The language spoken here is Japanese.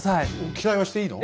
期待はしていいの？